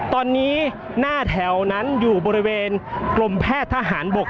ตอนนี้หน้าแถวนั้นอยู่บริเวณกรมแพทย์ทหารบก